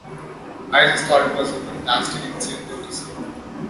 I just thought it was a fantastic, insane thing to say.